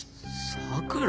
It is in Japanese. さくら？